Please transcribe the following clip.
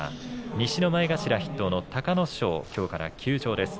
西の前頭筆頭の隆の勝きょうから休場です。